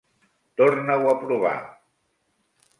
Torna-ho a provar!